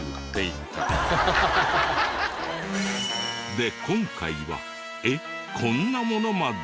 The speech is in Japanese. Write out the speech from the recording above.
で今回はえっこんなものまで？